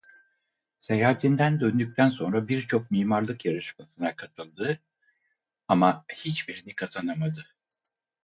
Seyahatinden döndükten sonra birçok mimarlık yarışmasına katıldı ama hiçbirini kazanamadı.